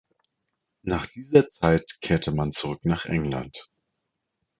Nach dieser Zeit kehrte man zurück nach England.